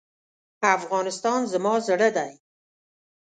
افغانستان زما زړه دی.